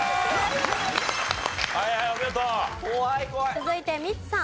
続いてミッツさん。